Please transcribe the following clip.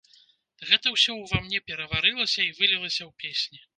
Гэта ўсё ўва мне пераварылася і вылілася ў песні.